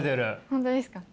本当ですか？